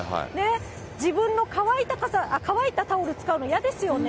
自分の乾いたタオル使うの嫌ですよね。